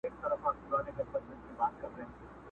له عرب تر چین ماچینه مي دېرې دي.!